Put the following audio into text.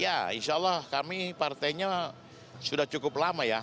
ya insya allah kami partainya sudah cukup lama ya